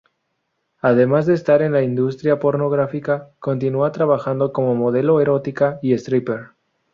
Además de estar en la industria pornográfica, continúa trabajando como modelo erótica y stripper.